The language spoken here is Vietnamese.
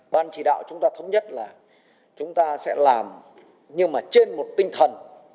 ban chỉ đạo chúng ta thống nhất là chúng ta sẽ làm nhưng mà trên một tinh thần